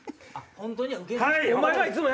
本当には受けない。